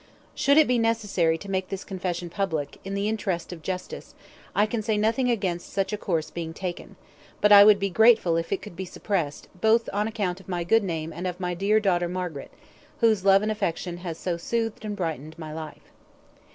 "Should it be necessary to make this confession public, in the interests of justice, I can say nothing against such a course being taken; but I would be grateful if it could be suppressed, both on account of my good name and of my dear daughter Margaret, whose love and affection has so soothed and brightened my life.